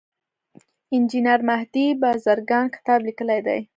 انجینیر مهدي بازرګان کتاب لیکلی دی.